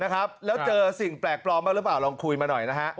แล้วเจอสิ่งแปลกปลอมบ้างหรือเปล่าลองคุยมาหน่อยนะฮะ